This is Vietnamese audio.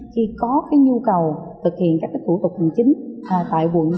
khi có nhu cầu thực hiện các thủ tục hành chính tại quận